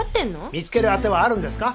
見つける当てはあるんですか？